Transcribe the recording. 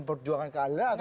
atau menjuangkan kekuasaan